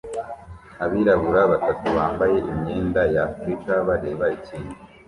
Abirabura batatu bambaye imyenda ya africa bareba ikintu